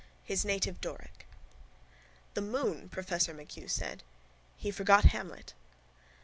_ HIS NATIVE DORIC —The moon, professor MacHugh said. He forgot Hamlet.